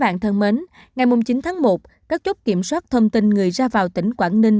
ngày chín tháng một các chốt kiểm soát thông tin người ra vào tỉnh quảng ninh